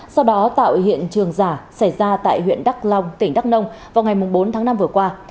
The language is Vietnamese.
sau đó tại hiện trường giả xảy ra tại huyện đắk long tỉnh đắk nông vào ngày bốn tháng năm vừa qua